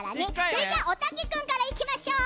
それではおたけくんからいきましょう！